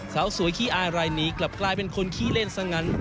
สาวสวยขี้อายรายนี้กลับกลายเป็นคนขี้เล่นซะงั้น